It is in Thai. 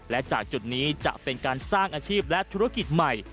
และจากจุดนี้จะเป็นการสร้างอาชีพและธุรกิจใหม่